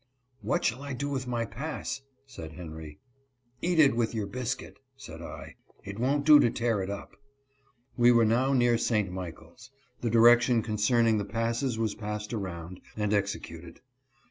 "What shall I do with my pass ?'" said Henry. "Eat it with your biscuit," said I ; "it won't do to tear it up." We were now near St. Michaels. The direction concerning the passes was passed around, and executed.